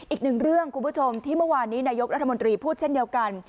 อีกหนึ่งเรื่องคุณผู้ชมที่เมื่อวานนี้นายกรัฐมนตรีพูดเช่นเดียวกัน